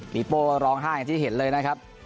ปีโป้ร้องไห้อย่างที่เห็นเลยนะครับ